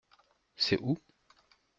C’est où ?